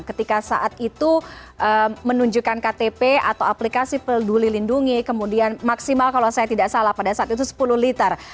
ketika saat itu menunjukkan ktp atau aplikasi peduli lindungi kemudian maksimal kalau saya tidak salah pada saat itu sepuluh liter